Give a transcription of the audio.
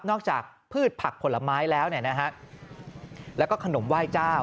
จากพืชผักผลไม้แล้วเนี่ยนะฮะแล้วก็ขนมไหว้เจ้า